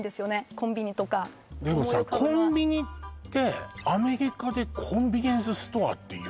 「コンビニ」とかでもさ「コンビニ」ってアメリカで「コンビニエンスストア」って言う？